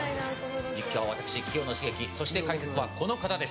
実況は私、清野茂樹そして解説はこの方です。